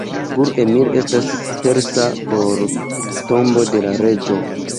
Gur-Emir estas persa por "Tombo de la Reĝo".